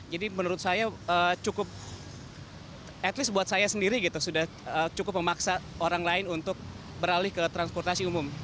jadi menurut saya cukup at least buat saya sendiri gitu sudah cukup memaksa orang lain untuk beralih ke transportasi umum